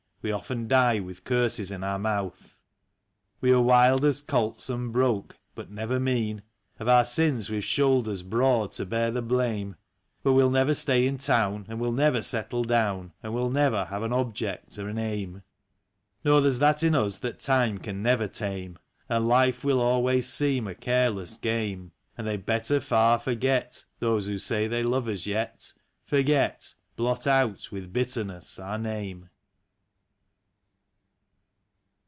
We often die with curses in our mouth. We are wild as colts unbroke, but never mean; Of our sins we've shoulders broad to bear the blame; But we'll never stay in town, and we'll never settle down. And we'll never have an object or an aim. No, there's that in us that time can never tame; And life will always seem a careless game; And they'd better far forget — Those who say they love us yet — Forget, blot out with bitterness our name.